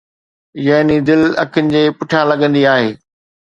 يعني دل، اکين جي پٺيان لڳندي آهي